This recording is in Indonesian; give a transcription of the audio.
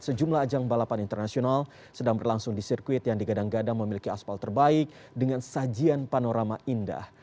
sejumlah ajang balapan internasional sedang berlangsung di sirkuit yang digadang gadang memiliki aspal terbaik dengan sajian panorama indah